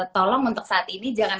tolong untuk saat ini jangan